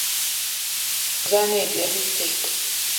Za a nǝ ai byem bite,